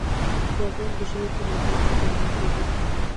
بادرنګ د ژمي پر مهال کم موندل کېږي.